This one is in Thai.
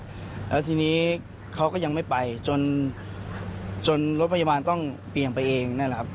แล้วทีนี้เขาก็ยังไม่ไปจนจนรถพยาบาลต้องเบี่ยงไปเองนั่นแหละครับ